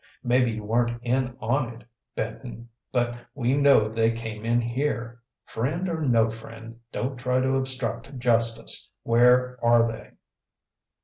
Maybe you weren't in on it, Benton, but we know they came in here. Friend or no friend, don't try to obstruct justice. Where are they?"